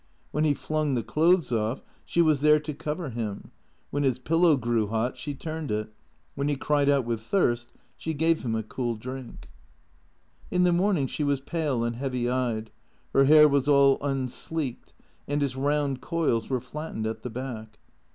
When he flung the clothes off she was there to cover him ; when his pillow grew hot she turned it ; when he cried out with thirst she gave him a cool drink. In the morning she was pale and heavy eyed; her hair was all unsleeked, and its round coils were flattened at the back.